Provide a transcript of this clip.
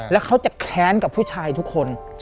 แล้วเขาจะแค้นกับผู้ชายทุกคน